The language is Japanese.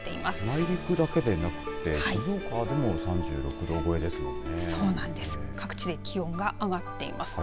内陸だけでなく、静岡でも３６度超えですもんね。